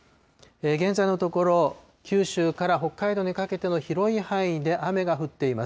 現在のところ、九州から北海道にかけての広い範囲で雨が降っています。